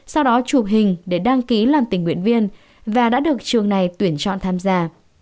sau đó chụp hình để đăng ký làm tình nguyện viên và đã được trường này tuyển chọn tham gia